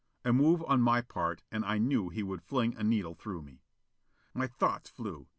A move on my part and I knew he would fling a needle through me. My thoughts flew.